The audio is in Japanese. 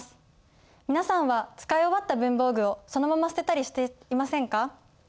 皆さんは使い終わった文房具をそのまま捨てたりしていませんか？